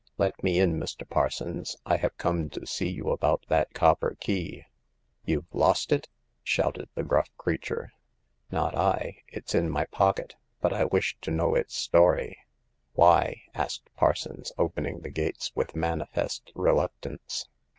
" Let me in, Mr. Parsons. I have come to see you about that copper key/* YouVe lost it ?" shouted the gruff creature. Not I ; it's in my pocket. But I wish to know its story." Why?" asked Parsons, opening the gates with manifest reluctance.